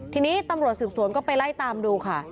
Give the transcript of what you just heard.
ทีนี้ตำรวจสืบสวนก็ไปไล่ตามดูค่ะ